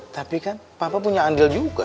tapi kan papa punya andil juga